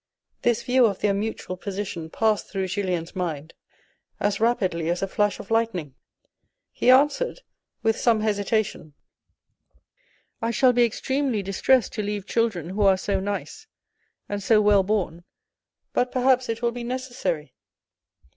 This view of their mutual position passed through Julien's mind as rapidly as a flash of lightning. He answered with some hesitation, THE OPEN WORK STOCKINGS 81 " I shall be extremely distressed to leave children who are so nice and so well born, but perhaps it will be necessary.